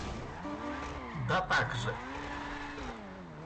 Да так же.